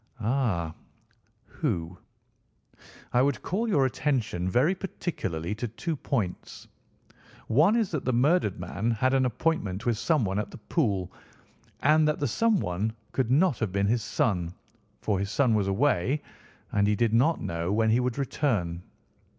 "Ah! who? I would call your attention very particularly to two points. One is that the murdered man had an appointment with someone at the pool, and that the someone could not have been his son, for his son was away, and he did not know when he would return.